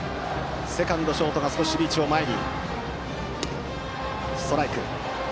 セカンド、ショートがリーチを前に。